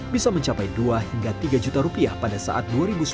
bisa mencapai dua hingga tiga juta rupiah pada saat dua ribu sembilan belas